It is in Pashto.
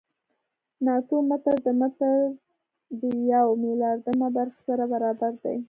ناتو متر د متر د یو میلیاردمه برخې سره برابر دی.